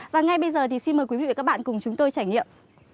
và ngay bây giờ thì xin mời quý vị và các bạn cùng chúng tôi trải nghiệm